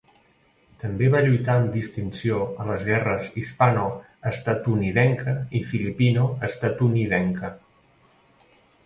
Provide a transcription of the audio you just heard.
També va lluitar amb distinció a les guerres hispano-estatunidenca i filipino-estatunidenca.